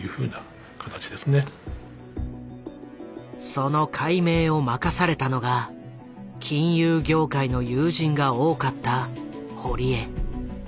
その解明を任されたのが金融業界の友人が多かった堀江。